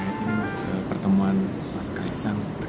ini pertemuan mas kaisang